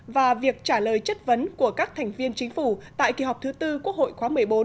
và việc trả lời chất vấn của các thành viên chính phủ tại kỳ họp thứ tư quốc hội khóa một mươi bốn